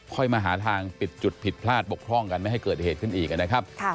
มาหาทางปิดจุดผิดพลาดบกพร่องกันไม่ให้เกิดเหตุขึ้นอีกนะครับ